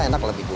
enak lebih bagus